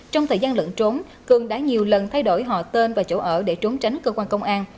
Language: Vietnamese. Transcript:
trong thời gian lận trốn cường đã nhiều lần thay đổi họ tên và chỗ ở để trốn tránh cơ quan công an